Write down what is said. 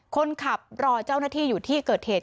คนขับรอเจ้าหน้าที่อยู่ที่เกิดเหตุ